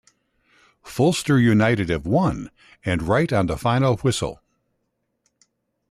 Fulchester United have won, and right on the final whistle!